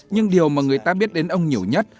nhưng điều mà người ta biết đến ông nhiều nhất